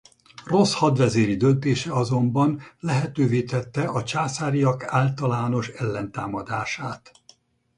Rossz hadvezéri döntése azonban lehetővé tette a császáriak általános ellentámadását.